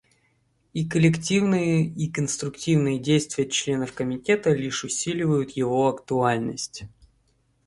И коллективные и конструктивные действия членов Комитета лишь усиливают его актуальность.